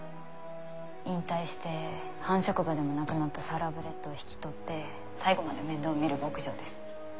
引退して繁殖馬でもなくなったサラブレッドを引き取って最後まで面倒を見る牧場です。